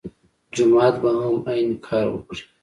جومات به هم عین کار وکړي.